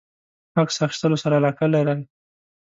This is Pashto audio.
عکس اخیستلو سره علاقه لری؟